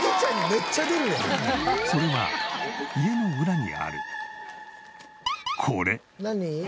それは家の裏にあるこれ！